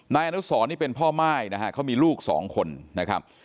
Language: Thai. นายอนุสรนี่เป็นพ่อม่ายนะฮะเขามีลูกสองคนนะครับ